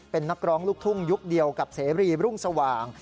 เป็นนักร้องลูกทุ่งยุคเดียวกับเสรีรุ่งสว่าง